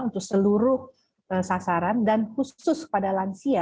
untuk seluruh sasaran dan khusus pada lansia